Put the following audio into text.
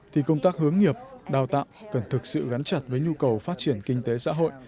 thì công tác hướng nghiệp đào tạo cần thực sự gắn chặt với nhu cầu phát triển kinh tế xã hội